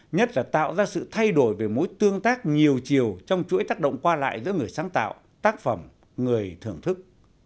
nhất là tạo ra sự thay đổi về mối tương tác nhiều chiều trong chuỗi tác động qua lại giữa người sáng tạo tác phẩm người thưởng thức